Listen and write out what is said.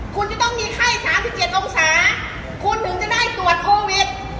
คุณจะต้องมีไข้๓๗องศาคุณถึงจะได้ตรวจโควิด